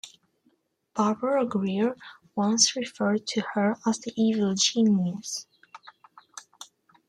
Barbara Grier once referred to her as the evil genius.